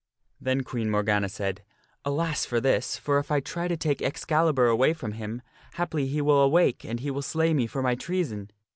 Then Queen Morgana steals the sheath said, " Alas, for this, for if I try to take Excalibur away from of Excalibur. him, haply he will awake and he will slay me for my treason."